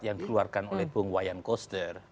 yang dikeluarkan oleh bung wayan koster